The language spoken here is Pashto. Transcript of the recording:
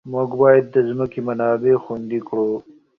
موږ باید د ځمکې منابع خوندي کړو.